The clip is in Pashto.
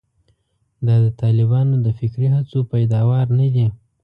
دا د طالبانو د فکري هڅو پیداوار نه دي.